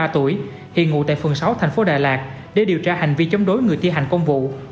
bốn mươi ba tuổi hiện ngủ tại phường sáu tp đà lạt để điều tra hành vi chống đối người thi hành công vụ